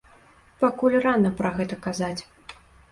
Пакуль рана пра гэта казаць.